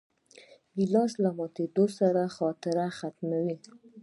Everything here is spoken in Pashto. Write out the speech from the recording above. ګیلاس له ماتېدو سره خاطره ختموي.